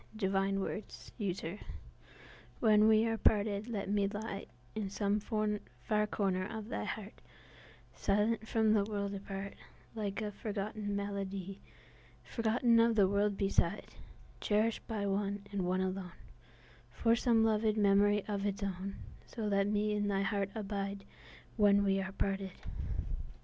1829 When We Are Parted WHEN we are parted let me lieIn some far corner of thy heart, Silent, and from the world apart, Like a forgotten melody:Forgotten of the world beside, Cherish'd by one, and one alone, For some lov'd memory of its own; So let me in thy heart abideWhen we are parted.